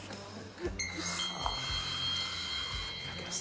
はあいただきます。